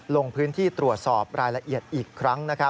ลงพื้นที่ตรวจสอบรายละเอียดอีกครั้ง